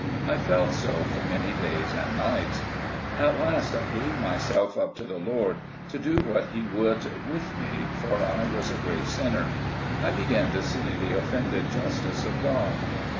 I felt so for many days and nights. At last, I gave myself up to the Lord, to do what he would with me, for I was a great sinner. I began to see the offended justice of God.